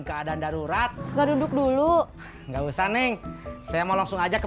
keadaan darurat enggak duduk dulu nggak usah nih saya mau langsung aja ke